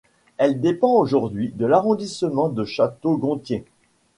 Elle dépend aujourd'hui de l'arrondissement de Château-Gontier.